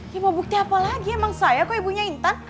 lima bukti apa lagi emang saya kok ibunya intan